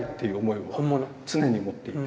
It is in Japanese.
常に持っていて。